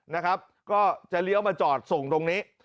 นะครับก็จะเลี้ยวมาจอดส่งตรงนี้